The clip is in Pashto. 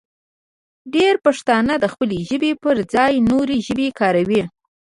ډېری پښتانه د خپلې ژبې پر ځای نورې ژبې کاروي.